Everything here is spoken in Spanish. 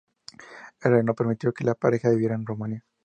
El rey no permitió que la pareja viviera en Rumanía.